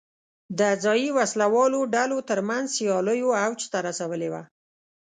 د ځايي وسله والو ډلو ترمنځ سیالیو اوج ته رسولې وه.